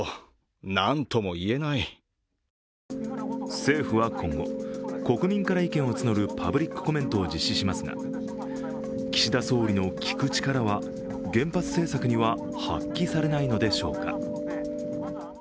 政府は今後、国民から意見を募るパブリックコメントを実施しますが、岸田総理の聞く力は原発政策には発揮されないのでしょうか。